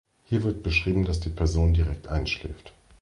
Hier wird beschrieben, dass die Person direkt einschläft.